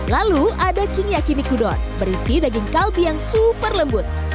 lalu ada king yakiniku don berisi daging kalbi yang super lembut